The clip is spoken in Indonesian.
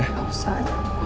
gak usah aja